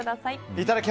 いただき！